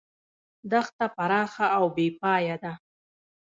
دښته پراخه او بې پایه ده.